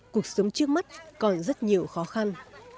cuộc sống trước mắt còn rất nhiều khó khăn